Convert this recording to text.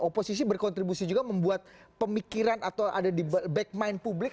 oposisi berkontribusi juga membuat pemikiran atau ada di back mind publik